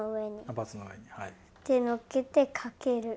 手のっけてかける。